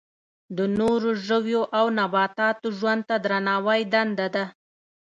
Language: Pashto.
د نورو ژویو او نباتاتو ژوند ته درناوی دنده ده.